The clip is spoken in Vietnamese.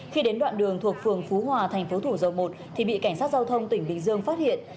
khi đến đoạn đường thuộc phường phú hòa thành phố thủ dầu một thì bị cảnh sát giao thông tỉnh bình dương phát hiện